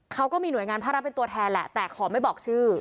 เขาก็มีหน่วยงานภาครัฐเป็นตัวแทนแหละแต่ขอไม่บอกชื่อ